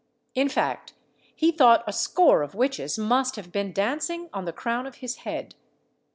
In fact, he thought a score of witches must have been dancing on the crown of his head.